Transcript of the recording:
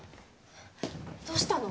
どうしたの？